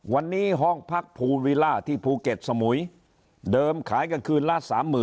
วันนี้ห้องพักภูวิลล่าที่ภูเก็ตสมุยเดิมขายกลางคืนละ๓๐๐๐